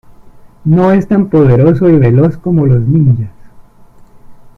No es tan poderoso y veloz como los ninjas.